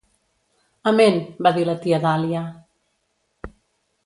"Amén", va dir la tia Dahlia.